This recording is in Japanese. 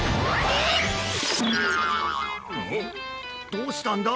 どうしたんだ？